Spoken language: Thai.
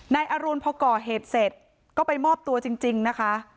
นายอรุณพอก่อเหตุเสร็จก็ไปมอบตัวจริงนะคะ